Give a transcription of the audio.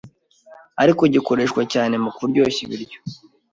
ariko gikoreshwa cyane mu kuryoshya ibiryo.